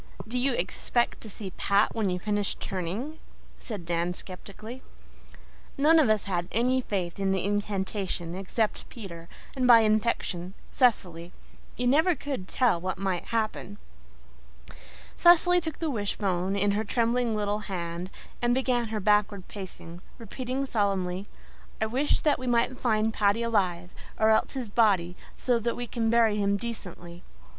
"Do you expect to see Pat when you finish turning?" said Dan skeptically. None of us had any faith in the incantation except Peter, and, by infection, Cecily. You never could tell what might happen. Cecily took the wishbone in her trembling little hands and began her backward pacing, repeating solemnly, "I wish that we may find Paddy alive, or else his body, so that we can bury him decently."